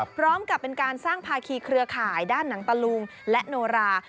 พร้อมกับเป็นการสร้างภาคีเครือข่ายด้านหนังตะลุงและโนรา